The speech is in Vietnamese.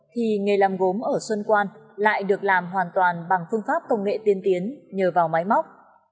thì nghề làm gốm ở xuân quan lại được làm hoàn toàn bằng phương pháp công nghệ tiên tiến nhờ vào máy móc